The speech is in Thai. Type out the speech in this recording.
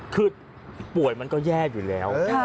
คือป่วยมันก็แย่อยู่แล้ว